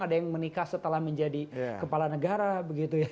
ada yang menikah setelah menjadi kepala negara